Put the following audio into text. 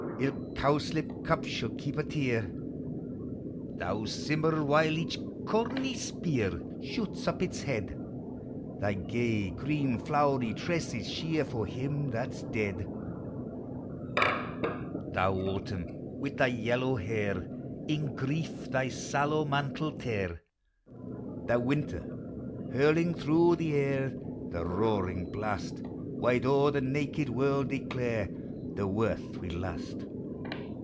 Ilk cowslip cup shall keep a tear: Thou, Simmer, while each corny spear Shoots up its head, Thy gay, green flowery tresses shear, For him that 's dead ! Thou, Autumn, wi' thy yellow hair, In grief thy sallow mantle tear! Thou, Winter, hurling through the air The roaring blast, Wide o'er the naked world declare The worth we've lost.